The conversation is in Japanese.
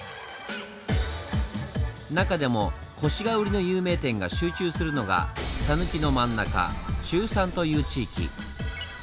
中でもコシがウリの有名店が集中するのが讃岐の真ん中「中讃」という地域。